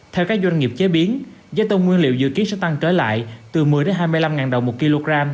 theo các doanh nghiệp chế biến giá tôm nguyên liệu dự kiến sẽ tăng trở lại từ một mươi hai mươi năm đồng một kg